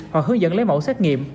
hoặc hướng dẫn lấy mẫu xét nghiệm